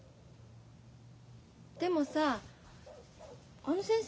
でもさあの先生